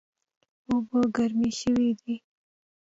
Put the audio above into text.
اوبه ګرمې شوې دي